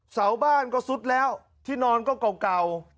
เสาบ้านก็ซุดแล้วที่นอนก็เก่า